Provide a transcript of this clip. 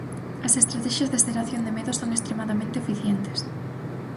As estratexias de xeración de medo son extremadamente eficientes.